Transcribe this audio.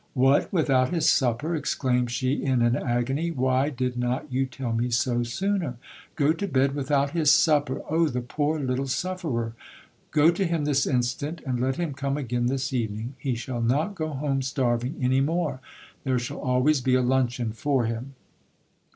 What, without his supper ! exclaimed she in an agony, why did not you tell me so sooner ? Go to bed without his supper ! Oh ! the poor little sufferer ! Go to him this instant, and let him come again this evening ; he shall not go home starving any more, there shall always be a luncheon for him.